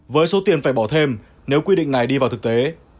với số tiền phải bỏ thêm nếu quy định này đi vào thực tế